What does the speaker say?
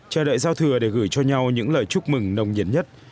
chờ đợi giao thừa để gửi cho nhau những lời chúc mừng nồng nhiệt nhất